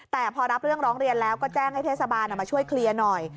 แต่พอรับเรื่องร้องเรียนแล้วก็แจ้งให้เทศบาลมาช่วยเคลียร์หน่อย